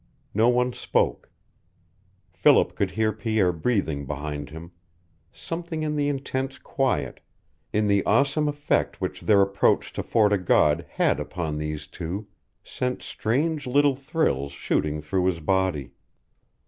No one spoke. Philip could hear Pierre breathing behind him: something in the intense quiet in the awesome effect which their approach to Fort o' God had upon these two sent strange little thrills shooting through his body.